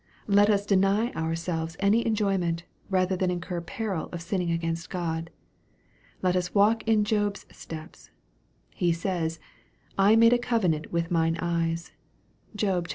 Let us deny ourselves any enjoyment, rather than incur peril of sinning against God. Let us walk in Job's steps : he says, " I made a covenant with mine eyes." (Job xxxi. 1.)